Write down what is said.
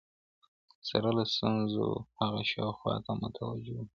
سره له ستونزو هغه شاوخوا ته متوجه و.